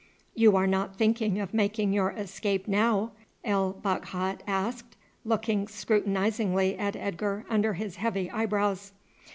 "You are not thinking of making your escape now?" El Bakhat asked, looking scrutinizingly at Edgar under his heavy eyebrows.